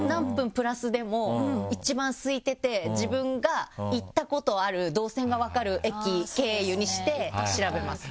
プラスでも一番すいてて自分が行ったことある動線が分かる駅経由にして調べます。